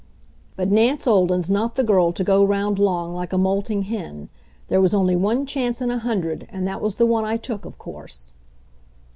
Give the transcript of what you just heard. But Nance Olden's not the girl to go round long like a molting hen. There was only one chance in a hundred, and that was the one I took, of course.